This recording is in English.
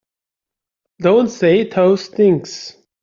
Don't say those things!